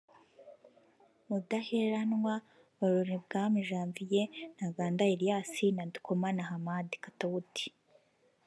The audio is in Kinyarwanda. Muderhwa Balolebwami Janvier (Ntaganda Elias) na Ndikumana Hamad (Kataut)